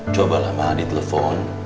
cobalah ma di telfon